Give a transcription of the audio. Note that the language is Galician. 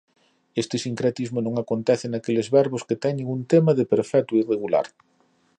Este sincretismo non acontece naqueles verbos que teñen un tema de perfecto irregular.